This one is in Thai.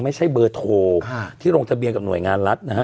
ไม่ใช่เบอร์โทรที่ลงทะเบียนกับหน่วยงานรัฐนะฮะ